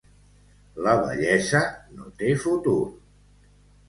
La vellesa no té futur.